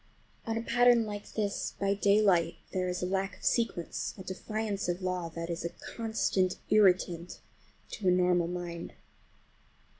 On a pattern like this, by daylight, there is a lack of sequence, a defiance of law, that is a constant irritant to a normal mind.